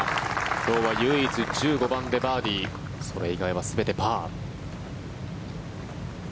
今日は唯一１５番でバーディーそれ以外は全てパー。